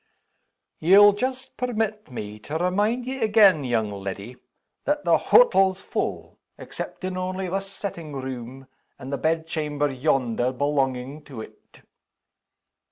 "YE'LL just permit me to remind ye again, young leddy, that the hottle's full exceptin' only this settin' room, and the bedchamber yonder belonging to it."